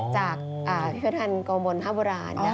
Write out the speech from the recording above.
จากพิพัฒนกวบรรณภาพโบราณ